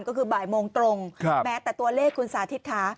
ก็คือบ่ายโมงตรงแม้แต่ตัวเลขคุณสาธิตค่ะ